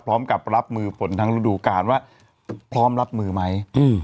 พร้อมกับรับมือผลทั้งฤดูการว่าพร้อมรับมือไหม